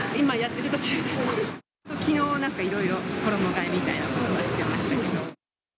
今、きのう、なんかいろいろ衣がえみたいなことはしてましたけど。